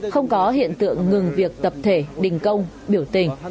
không có hiện tượng ngừng việc tập thể đình công biểu tình